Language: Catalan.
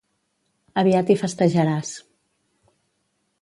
Aviat hi festejaràs.